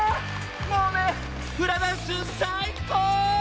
もうねフラダンスさいこう！